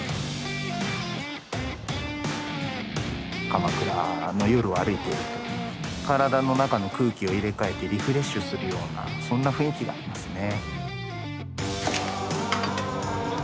鎌倉の夜を歩いていると体の中の空気を入れ替えてリフレッシュするようなそんな雰囲気がありますね。